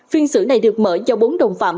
phiên xử này được mở do bốn đồng phạm